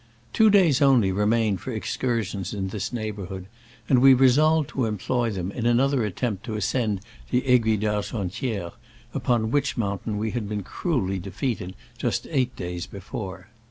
Two days only remained for excursions in this neighborhood, and we resolved to employ them in another attempt to ascend the Aiguille d'Argen tiere, upon which mountain we had been cruelly defeated just eight days before.